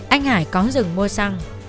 anh hải có dừng mua xăng